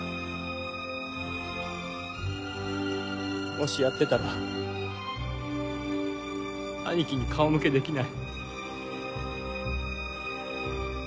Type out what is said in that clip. もしやってたら兄貴に顔向けできない。